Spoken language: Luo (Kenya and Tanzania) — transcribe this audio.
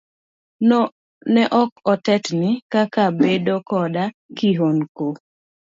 Ne ok otetni kaka bedo koda kihondko.